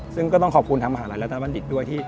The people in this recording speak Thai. ซึ่งก็ต้องขอบคุณทางมหาลัยรัฐนาปันดิษฐ์ด้วย